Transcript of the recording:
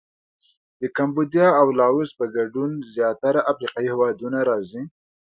د کمبودیا او لاووس په ګډون زیاتره افریقایي هېوادونه راځي.